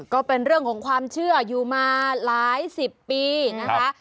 ก็เป็นเรื่องของความเชื่ออยู่มาหลายสิบปีนะคะ